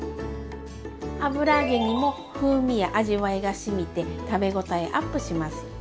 油揚げにも風味や味わいがしみて食べごたえアップします！